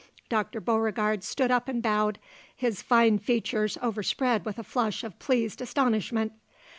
Dr. Beauregard stood up and bowed, his fine features overspread with a flush of pleased astonishment.